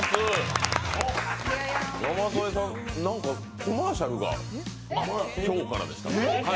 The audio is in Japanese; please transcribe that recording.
山添さん、何かコマーシャルが昨日からでした。